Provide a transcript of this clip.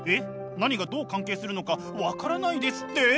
何がどう関係するのか分からないですって？